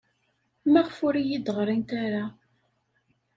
Maɣef ur iyi-d-ɣrint ara?